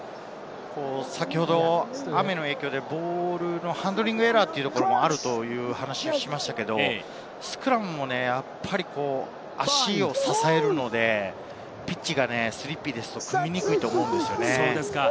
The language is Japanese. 先ほど雨の影響でボールのハンドリングエラーもあるという話をしましたが、スクラムもね、足を支えるので、ピッチがスリッピーですと組みにくいと思うんですよね。